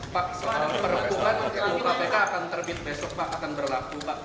perpukan ke kpk akan terbit besok pak akan berlaku pak